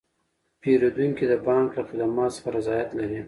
پیرودونکي د بانک له خدماتو څخه رضایت لري.